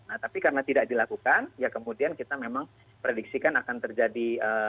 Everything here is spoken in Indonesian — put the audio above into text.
nah tapi karena tidak dilakukan ya kemudian kita memang prediksikan akan terjadi